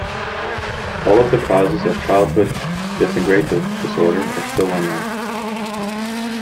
All of the causes of childhood disintegrative disorder are still unknown.